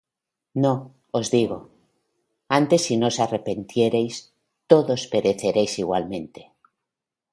No, os digo; antes si no os arrepintiereis, todos pereceréis igualmente.